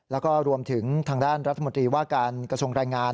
แล้วก็รวมถึงทางด้านรัฐมนตรีว่าการกระทรวงแรงงาน